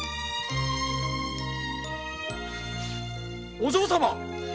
お嬢様！